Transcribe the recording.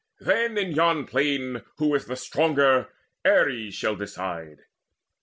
Then in yon plain Who is the stronger Ares shall decide."